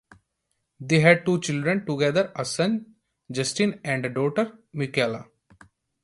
They had two children together: a son, Justin and a daughter, Michaela.